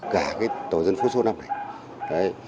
cả tòa dân phố số năm này